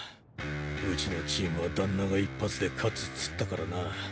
うちのチームは旦那が一発で勝つっつったからな。